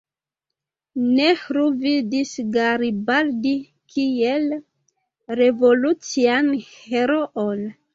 Nehru vidis Garibaldi kiel revolucian heroon.